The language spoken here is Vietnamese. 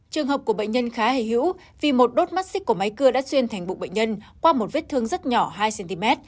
trường hợp của bệnh nhân khá hề hữu vì một đốt mắt xích của máy cưa đã xuyên thành bụng bệnh nhân qua một vết thương rất nhỏ hai cm